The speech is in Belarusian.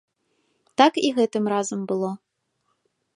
Так і гэтым разам было.